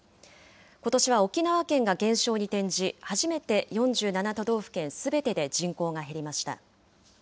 ことしは沖縄県が減少に転じ、初めて４７都道府県すべてで人口が減りました。